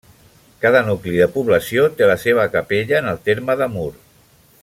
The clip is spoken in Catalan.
Cada nucli de població té la seva capella, en el terme de Mur.